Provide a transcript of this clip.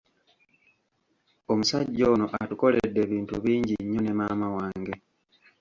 Omusajja ono atukoledde ebintu bingi nnyo ne maama wange.